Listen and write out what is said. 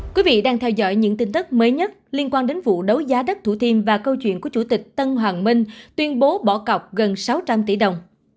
quý vị đang theo dõi những tin tức mới nhất liên quan đến vụ đấu giá đất thủ thiêm và câu chuyện của chủ tịch tân hoàng minh tuyên bố bỏ cọc gần sáu trăm linh tỷ đồng